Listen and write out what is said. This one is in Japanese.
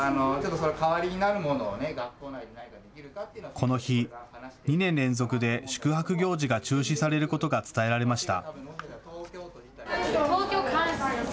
この日、２年連続で宿泊行事が中止されることが伝えられました。